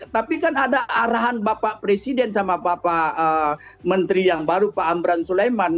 tapi kan ada arahan bapak presiden sama bapak menteri yang baru pak amran sulaiman